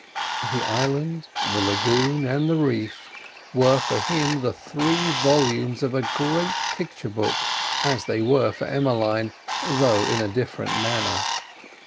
The island, the lagoon, and the reef were for him the three volumes of a great picture book, as they were for Emmeline, though in a different manner.